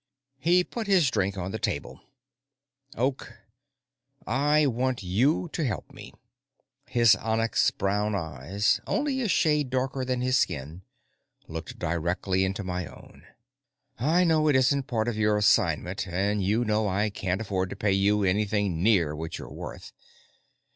He put his drink on the table. "Oak, I want you to help me." His onyx brown eyes, only a shade darker than his skin, looked directly into my own. "I know it isn't part of your assignment, and you know I can't afford to pay you anything near what you're worth.